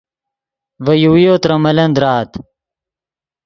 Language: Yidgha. ڤے یوویو ترے ملن درآت